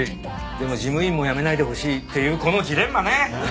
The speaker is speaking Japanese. でも事務員も辞めないでほしいっていうこのジレンマね！